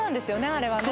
あれはね